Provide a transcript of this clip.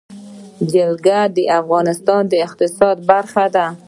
جلګه د افغانستان د اقتصاد برخه ده.